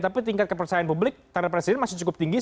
tapi tingkat kepercayaan publik terhadap presiden masih cukup tinggi